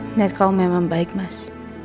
ingat kau memang baik mas